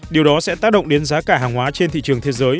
điều đó sẽ tác động đến giá cả hàng hóa trên thị trường thế giới